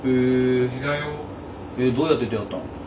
どうやって出会ったの？